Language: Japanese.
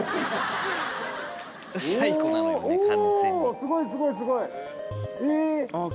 すごいすごいすごい！